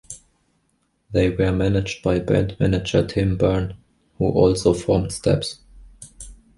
They were managed by band manager Tim Byrne, who also formed Steps.